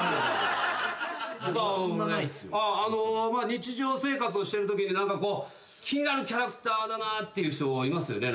日常生活をしてるときに何かこう気になるキャラクターだなって人いますよね。